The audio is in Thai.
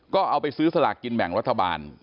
ก็เอาไปซื้อสลากกินแบ่งรัฐบาล